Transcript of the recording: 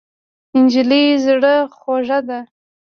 نجلۍ زړه خوږه ده.